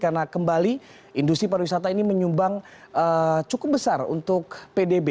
karena kembali industri pariwisata ini menyumbang cukup besar untuk pdb